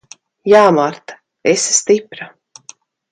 Jā, Marta. Esi stipra.